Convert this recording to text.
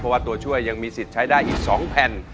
เพราะว่าตัวช่วยยังมีสิทธิ์ใช้ได้อีก๒แผ่น